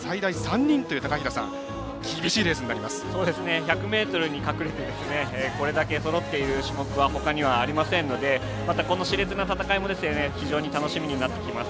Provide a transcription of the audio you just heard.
１００ｍに隠れてこれだけそろっている種目はほかにはありませんのでまた、このしれつな戦いも非常に楽しみになってきます。